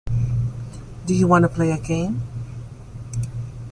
Do you want to play a game.